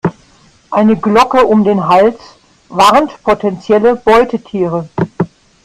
Eine Glocke um den Hals warnt potenzielle Beutetiere.